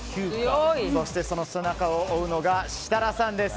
そして、その背中を追うのが設楽さんです。